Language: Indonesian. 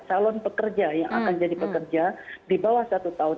akan jadi pekerja di bawah satu tahun